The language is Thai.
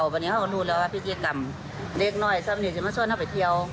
เพราะว่าพิกิกรรมเล็กน่อยส้ำนิทจะมาซ่อดซ่อนในเอาไปเที่ยว